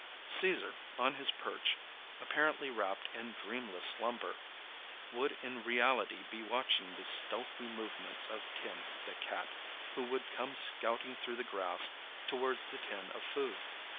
Caesar, on his perch, apparently wrapped in dreamless slumber, would in reality be watching the stealthy movements of Tim, the cat, who would come scouting through the grass towards the tin of food.